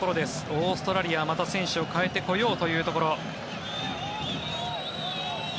オーストラリア、また選手を代えてこようというところ。